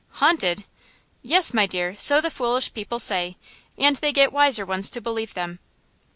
"Haunted!" "Yes, my dear, so the foolish people say, and they get wiser ones to believe them."